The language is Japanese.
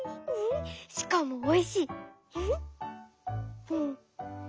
しかもおいしい」。